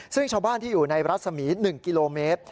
ซึ่งชาวบ้านที่อยู่ในรัศมี๑กิโลเมตร